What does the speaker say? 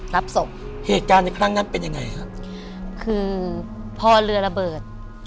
รับศพเหตุการณ์ในครั้งนั้นเป็นยังไงฮะคือพอเรือระเบิด